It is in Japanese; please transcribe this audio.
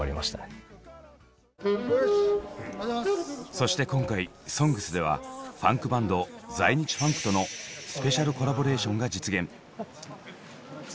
そして今回「ＳＯＮＧＳ」ではファンクバンド「在日ファンク」とのスペシャルコラボレーションが実現。